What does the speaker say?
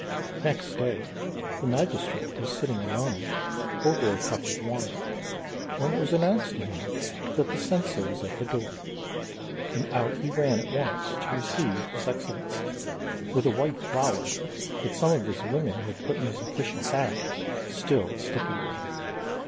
Next day, the magistrate was sitting alone, over a cup of wine, when it was announced to him that the censor was at the door; and out he ran at once to receive His Excellency, with a white flower, that some of his women had put in his official hat, still sticking there.